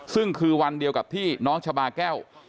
ซึ่งคือวันเดียวกับที่น้องชาบาแก้ว